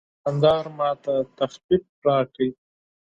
دوکاندار ماته تخفیف راکړ.